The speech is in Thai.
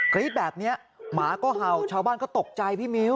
รี๊ดแบบนี้หมาก็เห่าชาวบ้านก็ตกใจพี่มิ้ว